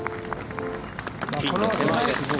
ピンの手前です。